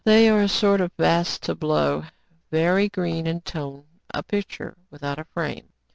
They are a sort of vast tableau, very green in tone, a picture without a frame.